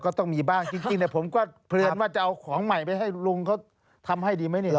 ก็ต้องมีบ้างจริงผมก็เพลินว่าจะเอาของใหม่ไปให้ลุงเขาทำให้ดีไหมเนี่ย